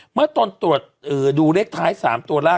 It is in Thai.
เมื่อตอนตรวจดูเลขท้าย๓ตัวล่ะ